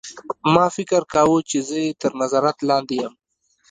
ما فکر کاوه چې زه یې تر نظارت لاندې یم